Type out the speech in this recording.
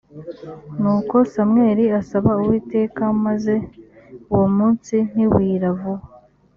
nuko samweli asaba uwiteka maze uwo munsi ntiwira vuba